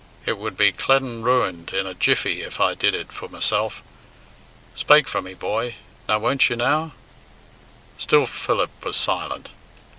It would be clane ruined in a jiffy if I did it for myself. Spake for me, boy, now won't you, now?" Still Philip was silent.